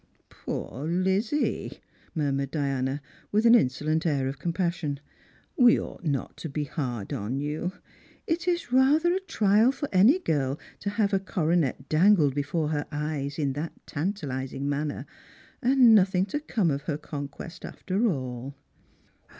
" Poor Lizzie," miirmured Diana, with an insolent air of com passion. " We ought not to be hard upon you. It is rather a trial for any girl to have a coronet dangled before her eyes in that tantalising manner, and nothing to come of her conquest after all!"